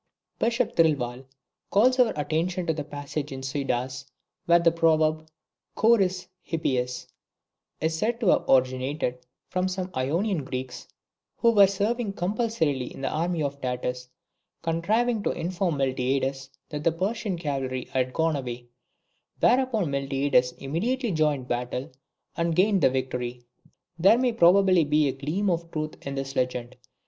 Bishop Thirlwall calls our attention to a passage in Suidas, where the proverb KHORIS HIPPEIS is said to have originated from some Ionian Greeks, who were serving compulsorily in the army of Datis, contriving to inform Miltiades that the Persian cavalry had gone away, whereupon Miltiades immediately joined battle and gained the victory. There may probably be a gleam of truth in this legend.